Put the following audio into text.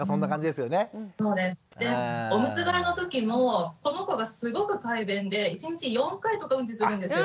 でオムツ替えの時もこの子がすごく快便で一日４回とかうんちするんですよ。